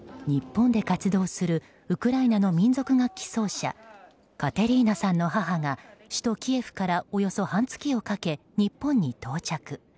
日本で活動するウクライナの民族楽器奏者カテリーナさんの母が首都キエフからおよそ半月をかけ、日本に到着。